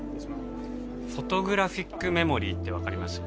フォトグラフィックメモリーって分かります？